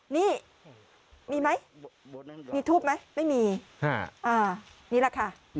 นี่มีไหมมีทูบไหมไม่มีนี่แหละค่ะ